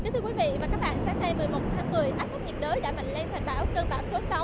thưa quý vị và các bạn sáng nay một mươi một tháng một mươi áp thấp nhiệt đới đã mạnh lên thành bão cơn bão số sáu